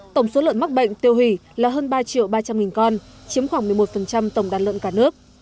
tổng số lợn mắc bệnh tiêu hủy là hơn ba triệu ba trăm linh con chiếm khoảng một mươi một tổng đàn lợn cả nước